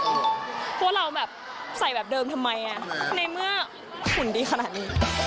พวกเราแบบใส่แบบเดิมทำไมในเมื่อหุ่นดีขนาดนี้